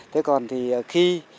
thế còn thì khi